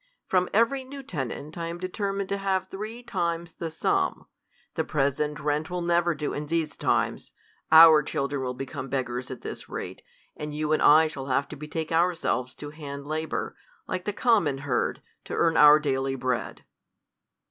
From every new tenant I am determined to have three times the sum. The present rent will never do in these times. Our children will become beggars at this rate ; and you and I shall have to betake ourselves to hand labour, like the common herd, to earn our daily bread.